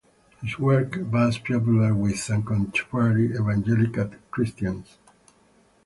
His work was popular with contemporary evangelical Christians.